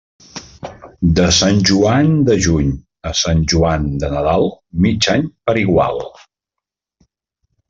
De Sant Joan de juny a Sant Joan de Nadal, mig any per igual.